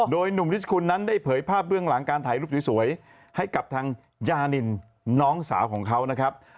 โดยหนุ่มนิสกุลนั้นได้เผยภาพเบื้องหลังการถ่ายรูปสวยให้กับทางยานินน้องสาวของเขานะครับ